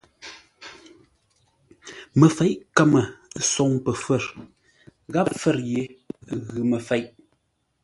Məfeʼ kəmə soŋ pəfə̌r gháp fə̌r ye ghʉ məfeʼ.